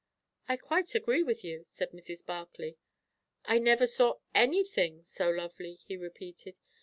"I quite agree with you," said Mrs. Barclay. "I never saw anything so lovely!" he repeated.